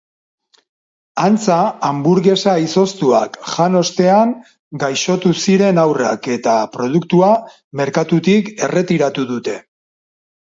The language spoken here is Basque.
Antza hanburgesa izoztuak jan ostean gaixotu ziren haurrak eta produktua merkatutik erretiratu dute.